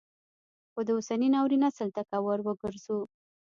خو د اوسني ناورین اصل ته که وروګرځو